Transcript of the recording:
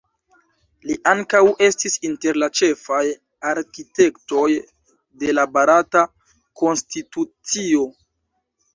Li ankaŭ estis inter la ĉefaj arkitektoj de la Barata konstitucio.